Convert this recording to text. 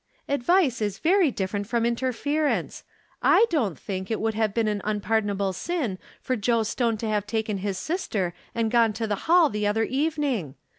" Advice is very different from interference. / don't think it would have been an unpardon able sin for Joe Stone to have taken his sister and gone to the hall the other evening.